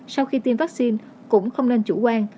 sau khi tiêm vaccine cũng không nên chủ quan